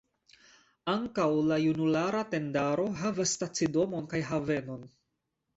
Ankaŭ la junulara tendaro havas stacidomon kaj havenon.